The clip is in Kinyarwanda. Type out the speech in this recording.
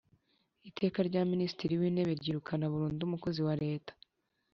Iteka rya Minisitiri w Intebe ryirukana burundu umukozi wa Leta